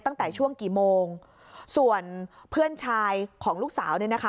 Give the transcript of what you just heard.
ตั้งแต่ช่วงกี่โมงส่วนเพื่อนชายของลูกสาวเนี่ยนะคะ